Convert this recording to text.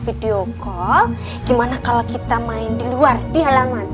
video call gimana kalau kita main di luar di halaman